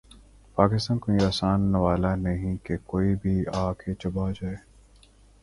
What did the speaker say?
پاکستان کوئی آسان نوالہ نہیں کہ کوئی بھی آ کے چبا جائے۔